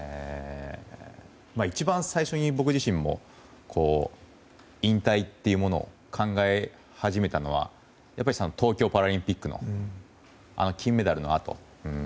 一番最初に僕自身も引退というものを考え始めたのは東京パラリンピックの金メダルのあと。